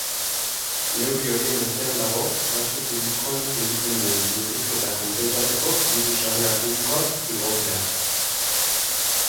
Neurri horien artean dago gastu publikoan egiten den murrizketa konpentsatzeko diru-sarrera publikoak igotzea.